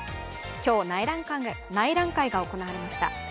今日、内覧会が行われました。